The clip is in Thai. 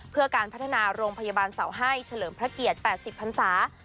เพื่อการพัฒนาโรงพยาบาลเสาไห้เฉลิมพระเกียรติแปดสิบพันธุ์สาหรัฐ